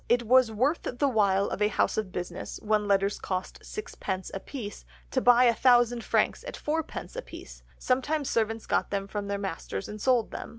It was worth the while of a house of business, when letters cost sixpence apiece, to buy a thousand franks at fourpence apiece; sometimes servants got them from their masters and sold them.